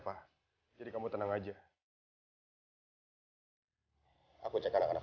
aku cek anak anak dulu